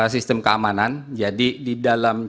sistem keamanan jadi di dalam